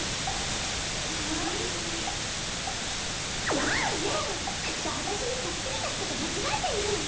やねぇきっとあたしにそっくりな人と間違えているのね。